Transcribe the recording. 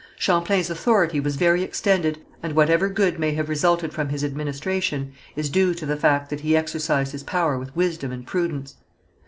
Champlain's authority was very extended, and whatever good may have resulted from his administration is due to the fact that he exercised his power with wisdom and prudence.